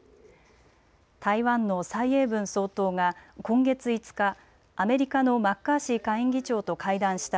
台湾の蔡英文総統が今月５日、アメリカのマッカーシー下院議長と会談した